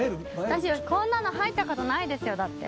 私こんなの入ったことないですよだって。